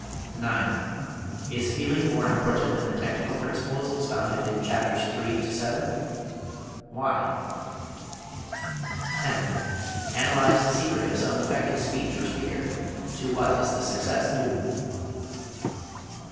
9. Is feeling more important than the technical principles expounded in chapters III to VII? Why? 10. Analyze the secret of some effective speech or speaker. To what is the success due?